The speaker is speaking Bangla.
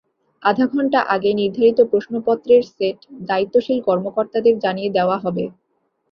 আধা ঘণ্টা আগে নির্ধারিত প্রশ্নপত্রের সেট দায়িত্বশীল কর্মকর্তাদের জানিয়ে দেওয়া হবে।